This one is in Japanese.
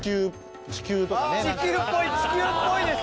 地球っぽい地球っぽいですはい。